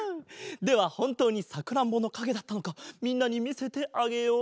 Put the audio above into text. ではほんとうにさくらんぼのかげだったのかみんなにみせてあげよう。